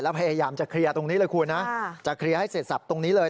พยายามจะเคลียร์ตรงนี้เลยคุณนะจะเคลียร์ให้เสร็จสับตรงนี้เลย